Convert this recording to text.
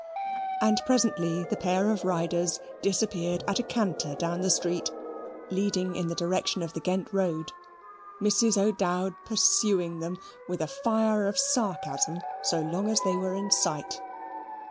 And presently the pair of riders disappeared at a canter down the street leading in the direction of the Ghent road, Mrs. O'Dowd pursuing them with a fire of sarcasm so long as they were in sight.